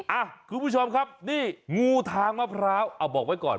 อ่ะคุณผู้ชมครับนี่งูทางมะพร้าวเอาบอกไว้ก่อน